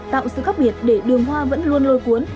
tạo sự khác biệt để đường hoa vẫn luôn lôi cuốn